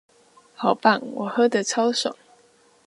好棒，我喝的超爽！